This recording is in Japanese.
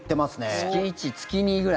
月１、月２ぐらい？